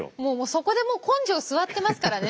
そこでもう根性すわってますからね